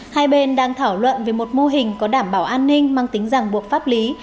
hai bên đang thảo luận về một mô hình có đảm bảo an ninh mang tính giảng buộc pháp lý